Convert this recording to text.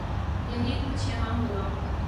یہی کچھ یہاں ہوا۔